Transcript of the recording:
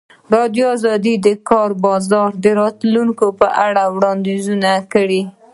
ازادي راډیو د د کار بازار د راتلونکې په اړه وړاندوینې کړې.